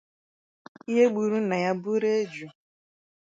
ihe gburu nna ya bụrụ eju